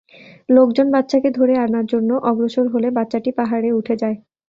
লোকজন বাচ্চাকে ধরে আনার জন্যে অগ্রসর হলে বাচ্চাটি পাহাড়ে উঠে যায়।